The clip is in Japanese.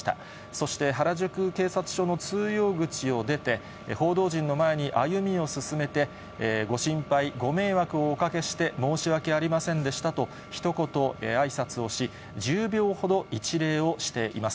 そして原宿警察署の通用口を出て、報道陣の前に歩みを進めて、ご心配、ご迷惑をおかけして申し訳ありませんでしたと、ひと言あいさつをし、１０秒ほど一礼をしています。